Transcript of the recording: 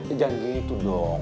eh jangan gitu dong